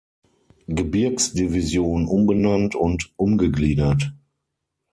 Gebirgs-Division umbenannt und umgegliedert.